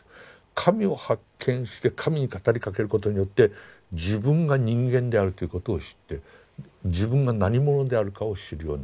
神を発見して神に語りかけることによって自分が人間であるということを知って自分が何者であるかを知るようになる。